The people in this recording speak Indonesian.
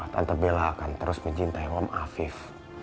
tante bela akan terus mencintai om afif